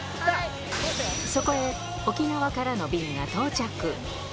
そこで沖縄からの便が到着。